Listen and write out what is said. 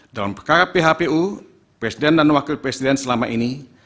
dalam perkara phpu presiden dan wakil presiden selama ini